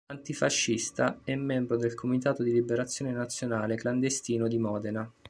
Antifascista, è membro del Comitato di Liberazione Nazionale clandestino di Modena.